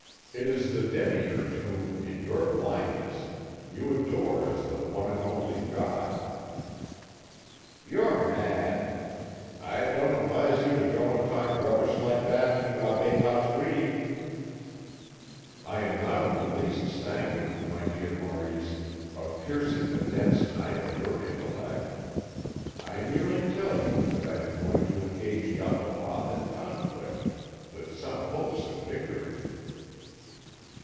It is the demiurge whom, in your blindness, you adore as the one and only God." "You're mad. I don't advise you to go and talk rubbish like that to Abbé Patouille." "I am not in the least sanguine, my dear Maurice, of piercing the dense night of your intellect. I merely tell you that I am going to engage Ialdabaoth in conflict with some hopes of victory."